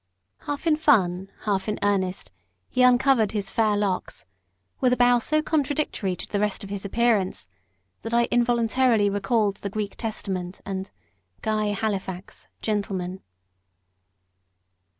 Half in fun, half in earnest, he uncovered his fair locks, with a bow so contradictory to the rest of his appearance, that I involuntarily recalled the Greek Testament and "Guy Halifax, Gentleman."